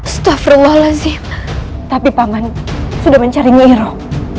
setafur allah sih tapi paman sudah mencari nyiroh